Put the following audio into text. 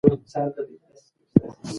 معلومات باید رښتیني وي.